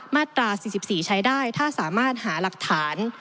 มาตรา๔๔ใช้ได้ถ้าสามารถหาหลักฐาน